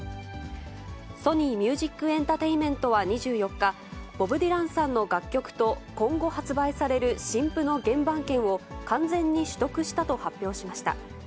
ソニー・ミュージックエンタテインメントは２４日、ボブ・ディランさんの楽曲と、今後発売される新譜の原盤権を完全に取得したと発表しました。